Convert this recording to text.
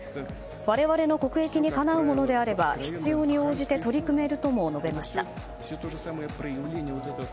我々の国益にかなうものであれば必要に応じて取り組めるとも述べました。